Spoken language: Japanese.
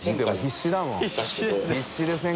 必死ですね